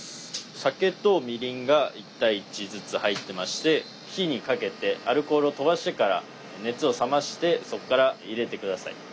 酒とみりんが１：１ずつ入ってまして火にかけてアルコールを飛ばしてから熱を冷ましてそこから入れて下さい。